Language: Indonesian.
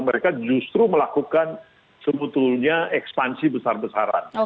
mereka justru melakukan sebetulnya ekspansi besar besaran